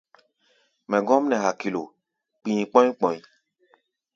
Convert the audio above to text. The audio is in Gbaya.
Mɛ gɔ́m nɛ hakilo, kpi̧i̧ kpɔ̧́í̧ kpɔ̧í̧.